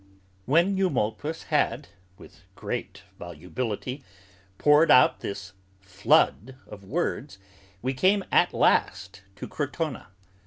When Eumolpus had, with great volubility, poured out this flood of words, we came at last to Crotona.